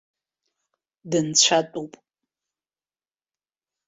Дынцәатәуп.